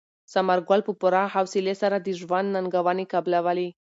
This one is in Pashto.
ثمر ګل په پوره حوصلې سره د ژوند ننګونې قبلولې.